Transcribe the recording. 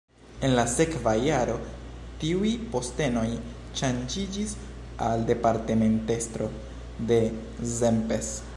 En la sekva jaro tiuj postenoj ŝanĝiĝis al departementestro de Szepes.